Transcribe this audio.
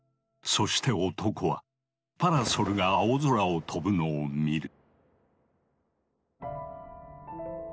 そして男はパラソルが青空を飛ぶのを見る。